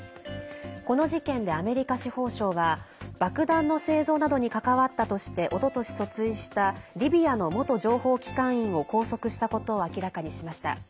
この事件でアメリカ司法省は爆弾の製造などに関わったとしておととし、訴追したリビアの元情報機関員を拘束したことを明らかにしました。